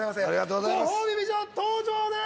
ご褒美美女登場です！